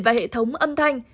và hệ thống âm thanh